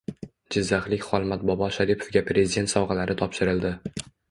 Jizzaxlik Xolmat bobo Sharipovga Prezident sovg‘alari topshirildi